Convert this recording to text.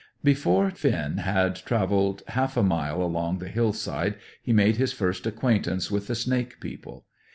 Before Finn had travelled half a mile along the hill side, he made his first acquaintance with the snake people.